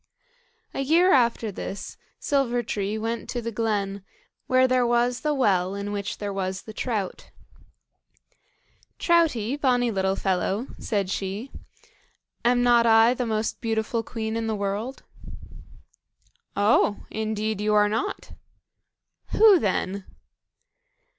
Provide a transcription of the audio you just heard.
A year after this Silver tree went to the glen, where there was the well in which there was the trout. "Troutie, bonny little fellow," said she, "am not I the most beautiful queen in the world?" "Oh! indeed you are not." "Who then?"